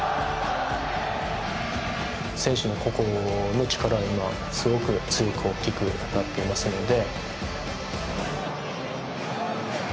選手の個々の力は今、すごく強く大きくなっていますので。